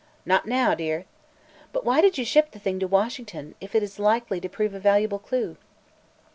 "Not now, dear." "But why did you ship the thing to Washington, if it is likely to prove a valuable clue?"